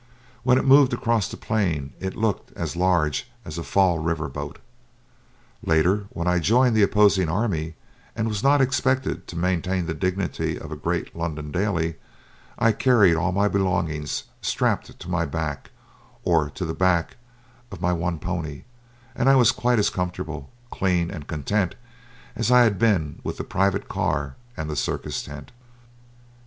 When it moved across the plain it looked as large as a Fall River boat. Later, when I joined the opposing army, and was not expected to maintain the dignity of a great London daily, I carried all my belongings strapped to my back, or to the back of my one pony, and I was quite as comfortable, clean, and content as I had been with the private car and the circus tent.